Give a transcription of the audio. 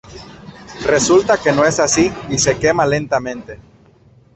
Resulta que no es así y se quema lentamente.